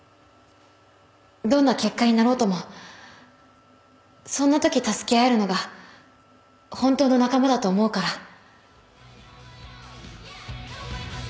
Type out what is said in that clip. どんな結果になろうともそんなとき助け合えるのが本当の仲間だと思うから